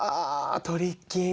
トリッキーな。